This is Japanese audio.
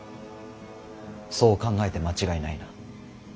そう考えて間違いないな。